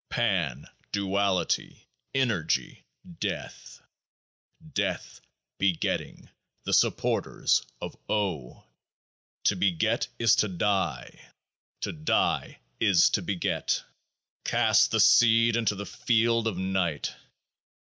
nAN : Duality : Energy : Death. Death : Begetting : the supporters of O ! To beget is to die ; to die is to beget. Cast the Seed into the Field of Night.